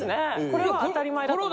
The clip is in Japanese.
これは当たり前だと。